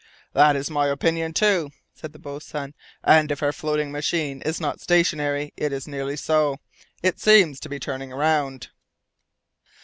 "That is my opinion too," said the boatswain, "and if our floating machine is not stationary, it is nearly so. It seems to be turning round."